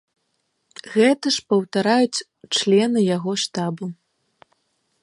Гэта ж паўтараюць члены яго штабу.